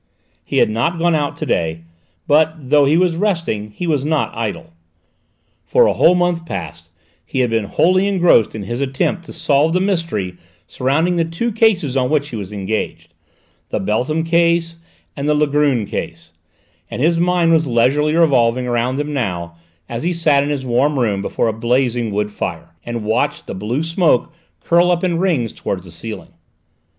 He had not gone out to day, but though he was resting he was not idle. For a whole month past he had been wholly engrossed in his attempt to solve the mystery surrounding the two cases on which he was engaged, the Beltham case, and the Langrune case, and his mind was leisurely revolving round them now as he sat in his warm room before a blazing wood fire, and watched the blue smoke curl up in rings towards the ceiling.